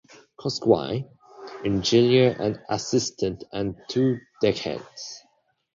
Coxswain, Engineer and assistant and two deckhands.